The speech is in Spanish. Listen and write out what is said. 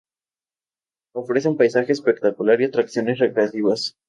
Ofrece un paisaje espectacular y atracciones recreativas.